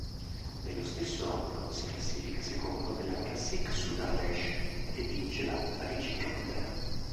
Nello stesso anno si classifica secondo nella Classic Sud Ardèche e vince la Parigi-Camembert.